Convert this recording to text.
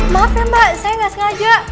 maaf ya mba saya gak sengaja